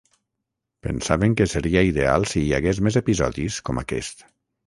Pensaven que seria ideal si hi hagués més episodis com aquest.